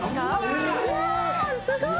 すごい！